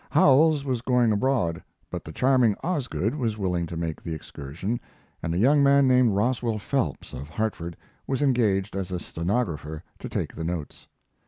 Howells was going abroad, but the charming Osgood was willing to make the excursion, and a young man named Roswell Phelps, of Hartford, was engaged as a stenographer to take the notes.